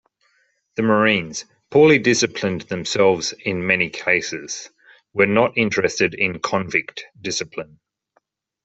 The marines, poorly disciplined themselves in many cases, were not interested in convict discipline.